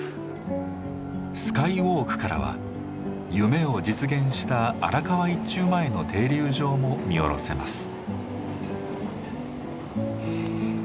スカイウォークからは夢を実現した荒川一中前の停留場も見下ろせます。